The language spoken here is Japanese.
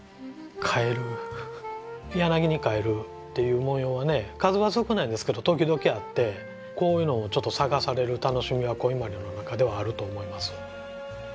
「柳に蛙」という模様はね数は少ないんですけど時々あってこういうのをちょっと探される楽しみは古伊万里の中ではあると思います。